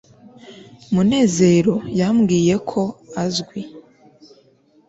munezero yambwiye ko uzwi